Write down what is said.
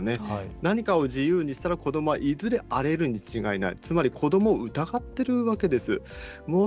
何かを自由にしたら子どもはいずれ荒れるに違いない、子どもを疑っているわけです。